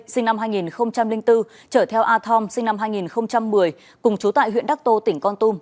sinh năm hai nghìn bốn chở theo a thom sinh năm hai nghìn một mươi cùng chú tại huyện đắc tô tỉnh con tum